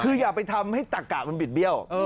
คืออย่าไปทำให้ตะกะมันบิดเบี้ยว